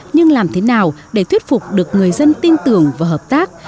nhưng làm thế nào để thuyết phục được người dân tin tưởng và hợp tác